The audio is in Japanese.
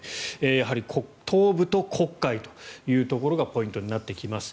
やはり東部と黒海というところがポイントになってきます。